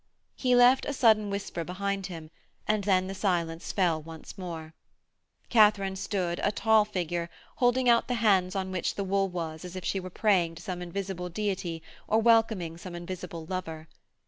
He left a sudden whisper behind him, and then the silence fell once more. Katharine stood, a tall figure, holding out the hands on which the wool was as if she were praying to some invisible deity or welcoming some invisible lover.